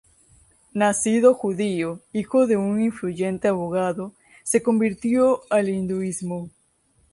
Nacido judío, hijo de un influyente abogado, se convirtió al hinduismo.